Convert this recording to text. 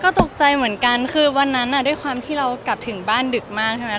ก็ตกใจเหมือนกันคือวันนั้นด้วยความที่เรากลับถึงบ้านดึกมากใช่ไหม